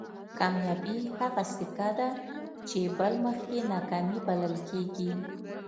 کامیابي هغه سکه ده چې بل مخ یې ناکامي بلل کېږي.